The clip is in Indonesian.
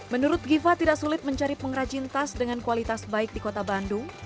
menurut giva tidak sulit mencari pengrajin tas dengan kualitas baik di kota bandung